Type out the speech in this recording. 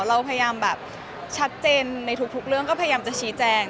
เราพยายามแบบชัดเจนในทุกเรื่องก็พยายามจะชี้แจง